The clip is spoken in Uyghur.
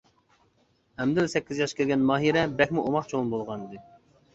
ئەمدىلا سەككىز ياشقا كىرگەن ماھىرە بەكمۇ ئوماق چوڭ بولغانىدى.